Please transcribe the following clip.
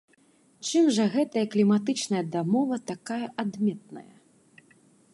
Чым жа гэтая кліматычная дамова такая адметная?